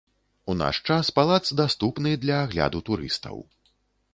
У наш час палац даступны для агляду турыстаў.